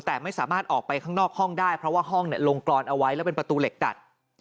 แต่ไม่สามารถออกไปข้างนอกห้องได้เพราะว่าห้องลงกรอนเอาไว้แล้วเป็นประตูเหล็กกัด